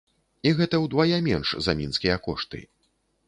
І гэта ўдвая менш за мінскія кошты.